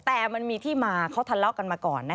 แต่มันมีที่มาเขาทะเลาะกันมาก่อนนะ